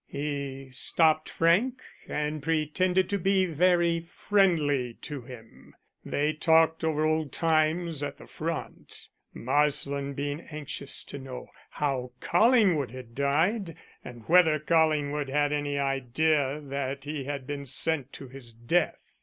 He stopped Frank and pretended to be very friendly to him. They talked over old times at the front, Marsland being anxious to know how Collingwood had died and whether Collingwood had any idea that he had been sent to his death.